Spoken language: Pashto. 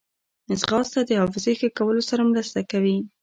ځغاسته د حافظې ښه کولو سره مرسته کوي